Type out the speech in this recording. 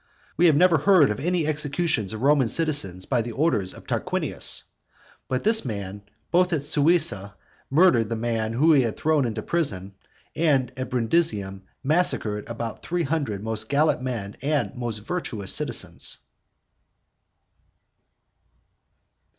We have never heard of any executions of Roman citizens by the orders of Tarquinius, but this man both at Suessa murdered the man whom he had thrown into prison, and at Brundusium massacred about three hundred most gallant men and most virtuous citizens.